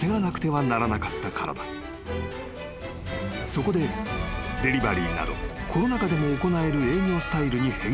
［そこでデリバリーなどコロナ禍でも行える営業スタイルに変更］